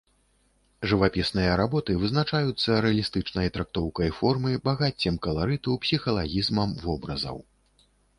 Жывапісныя работы вызначаюцца рэалістычнай трактоўкай формы, багаццем каларыту, псіхалагізмам вобразаў.